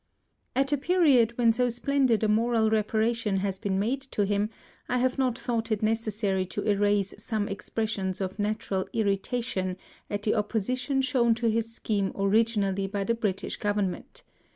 At a period when so splendid a moral reparation has been made to him, I have not thought it necessary to erase some expres sions of natural irritation at the opposition shown to his scheme originally by the Brit ish Government.